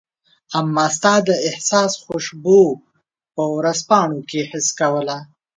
امه ستا د احساس خوشبو په ورځپاڼو کي حس کول